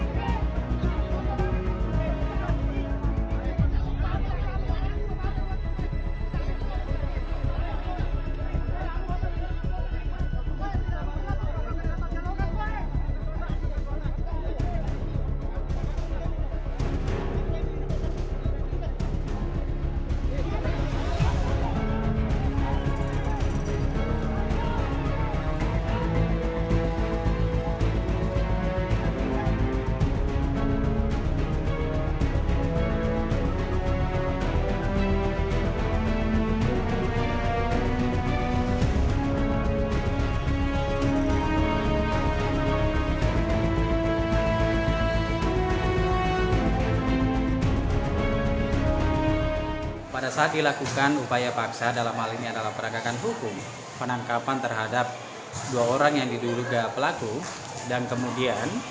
jangan lupa like share dan subscribe channel ini